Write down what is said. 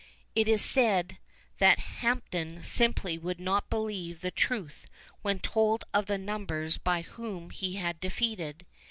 It is said that Hampton simply would not believe the truth when told of the numbers by whom he had been defeated.